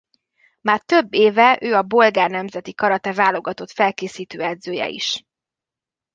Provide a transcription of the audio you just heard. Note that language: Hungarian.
Már több éve ő a bolgár nemzeti karate válogatott felkészítő edzője is.